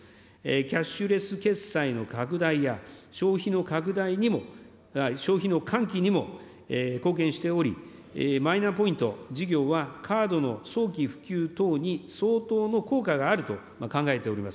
キャッシュレス決済の拡大や消費の拡大にも、消費の喚起にも貢献しており、マイナポイント事業は、カードの早期普及等に相当の効果があると考えております。